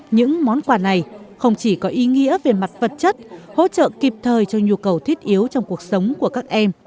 những món quà này không chỉ có ý nghĩa về mặt vật chất hỗ trợ kịp thời cho nhu cầu thiết yếu trong cuộc sống của các em